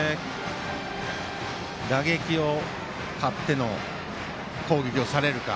打撃を買っての攻撃をされるか。